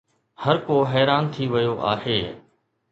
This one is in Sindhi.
هرڪو حيران ٿي ويو آهي.